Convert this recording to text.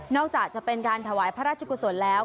อกจากจะเป็นการถวายพระราชกุศลแล้ว